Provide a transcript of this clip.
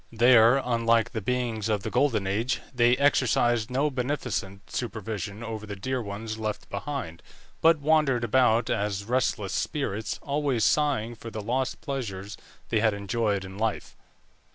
There, unlike the beings of the Golden Age, they exercised no beneficent supervision over the dear ones left behind, but wandered about as restless spirits, always sighing for the lost pleasures they had enjoyed in life.